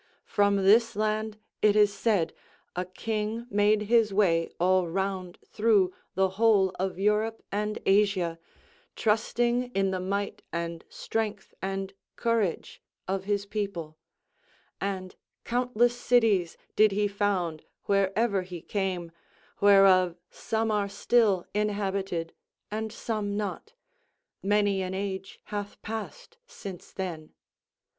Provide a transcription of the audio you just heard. From this land, it is said, a king made his way all round through the whole of Europe and Asia, trusting in the might and strength and courage of his people; and countless cities did he found wherever he came, whereof some are still inhabited and some not; many an age hath passed since then.